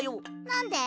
なんで？